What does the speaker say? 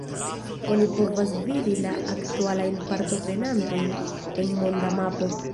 Oni povas vidi la aktualajn partoprenantojn en monda mapo.